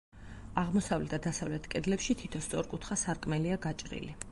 აღმოსავლეთ და დასავლეთ კედლებში თითო სწორკუთხა სარკმელია გაჭრილი.